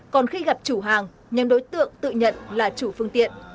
còn khi gặp chủ hàng nhóm đối tượng tự nhận là chủ phương tiện